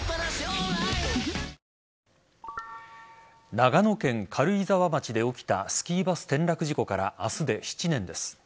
長野県軽井沢町で起きたスキーバス転落事故から明日で７年です。